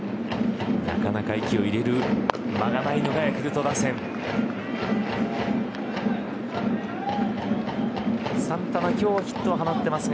なかなか息を入れる間がないのがヤクルト打線です。